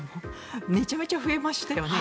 めちゃめちゃ増えましたよね。